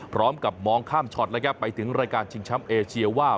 พร้อมกับมองข้ามช็อตนะครับไปถึงรายการชิงแชมป์เอเชียว่า